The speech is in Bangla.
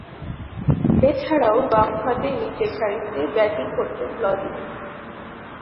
এছাড়াও, বামহাতে নিচেরসারিতে ব্যাটিং করতেন লরি মেন।